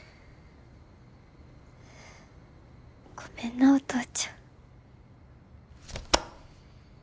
ごめんなお父ちゃん。